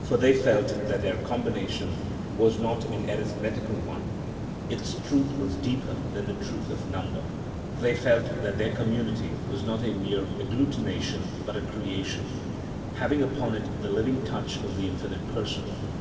For they felt that their combination was not an arithmetical one; its truth was deeper than the truth of number. They felt that their community was not a mere agglutination but a creation, having upon it the living touch of the infinite Person.